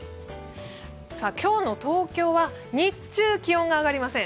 今日の東京は日中気温が上がりません。